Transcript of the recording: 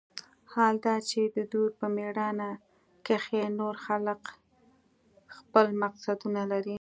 حال دا چې د دوى په مېړانه کښې نور خلق خپل مقصدونه لري.